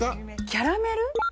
キャラメル？